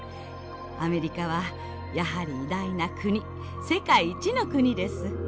アメリカはやはり偉大な国世界一の国です」。